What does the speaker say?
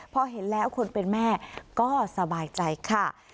พอเห็นแล้วคนเป็นแม่ก็สบายใจค่ะ